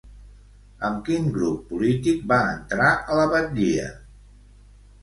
Amb quin grup polític va entrar a la batllia?